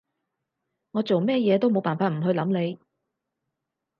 我做咩嘢都冇辦法唔去諗你